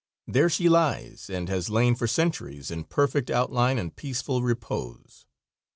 There she lies and has lain for centuries in perfect outline and peaceful repose.